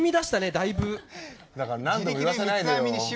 だから何度も言わせないでよ。